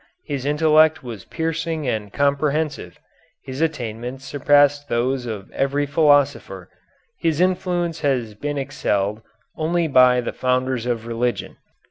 His intellect was piercing and comprehensive; his attainments surpassed those of every philosopher; his influence has been excelled only by the founders of religion